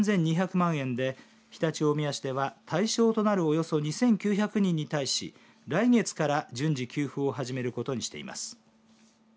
事業費は、およそ３２００万円で常陸大宮市では対象となるおよそ２９００人に対し来月から順次給付を始めることにしています。